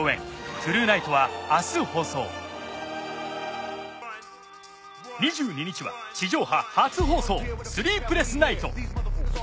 『トゥルー・ナイト』は明日放送２２日は地上波初放送『スリープレスナイト』。